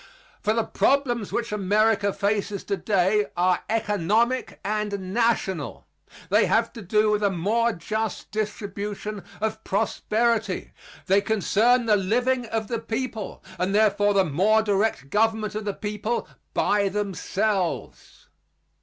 For the problems which America faces to day are economic and national. They have to do with a more just distribution of prosperity. They concern the living of the people; and therefore the more direct government of the people by themselves.